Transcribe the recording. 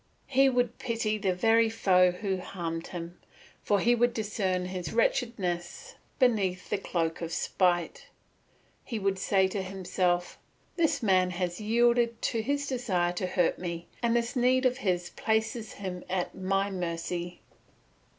He would pity the very foe who harmed him, for he would discern his wretchedness beneath his cloak of spite. He would say to himself, "This man has yielded to his desire to hurt me, and this need of his places him at my mercy."